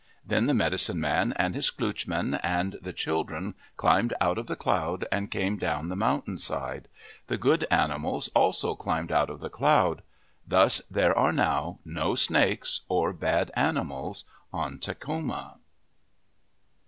Then the medicine man, and his klootchman, and the children climbed out of the cloud and came down the mountain side. The good animals also climbed out of the cloud. Thus there are now no snakes or bad animals on Takhoma.